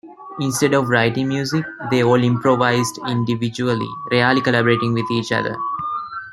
Instead of writing music, they all improvised individually, rarely collaborating with each other.